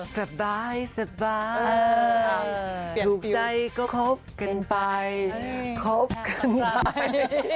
สบายถูกใจก็คบกันไปคบกันไป